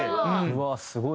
うわーすごい！